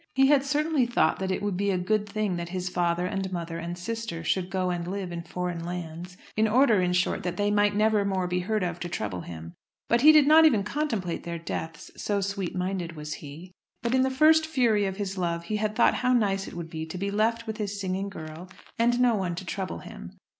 He had certainly thought that it would be a good thing that his father and mother and sister should go and live in foreign lands, in order, in short, that they might never more be heard of to trouble him, but he did not even contemplate their deaths, so sweet minded was he. But in the first fury of his love he had thought how nice it would be to be left with his singing girl, and no one to trouble him.